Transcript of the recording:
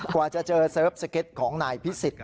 กว่าจะเจอเซิร์ฟสเก็ตของนายพิสิทธิ์